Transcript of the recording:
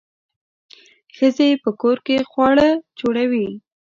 ښځې په کور کې خواړه جوړوي.